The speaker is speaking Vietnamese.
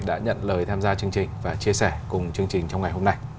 đã nhận lời tham gia chương trình và chia sẻ cùng chương trình trong ngày hôm nay